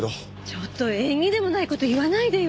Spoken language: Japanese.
ちょっと縁起でもない事言わないでよ。